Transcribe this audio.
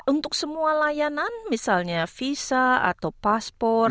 untuk semua layanan misalnya visa atau paspor